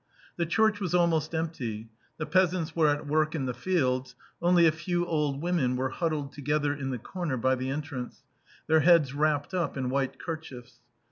The church was almost empty ; the peasants were at work in the fields; only a few old women were huddled together in the corner by the entrance, their heads wrapped up in white kerchiefs.